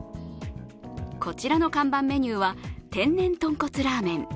こちらの看板メニューは天然とんこつラーメン。